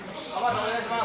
お願いします。